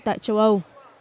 tại châu âu